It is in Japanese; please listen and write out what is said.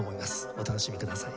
お楽しみください。